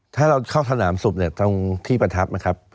ถ้าเราเข้าสนามศพเนี่ยตรงที่ประทับนะครับ